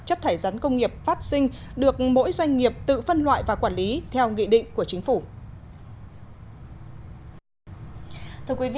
chất thải rắn công nghiệp phát sinh được mỗi doanh nghiệp tự phân loại và quản lý theo nghị định của chính phủ